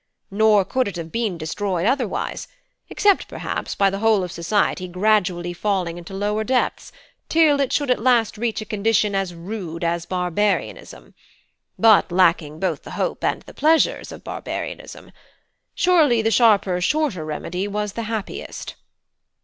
Nor could it have been destroyed otherwise; except, perhaps, by the whole of society gradually falling into lower depths, till it should at last reach a condition as rude as barbarism, but lacking both the hope and the pleasures of barbarism. Surely the sharper, shorter remedy was the happiest."